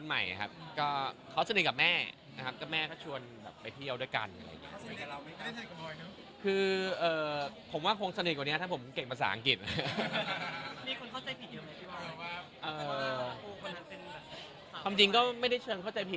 หลักเราก็วนไปวนไปเรื่อยว่าช่วงไหนที่เมืองไหนอากาศดี